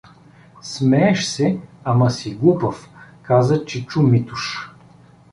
— Смееш се, ама си глупав — каза чичо Митуш.